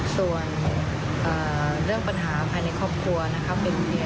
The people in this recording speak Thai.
ส่วนเรื่องปัญหาภายในครอบครัว